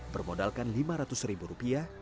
bermodalkan lima ratus rupiah